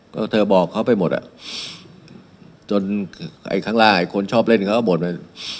ก็เธอบอกเขาไปหมดอ่ะจนอีกครั้งล่างอีกคนชอบเล่นเขาก็บ่นมา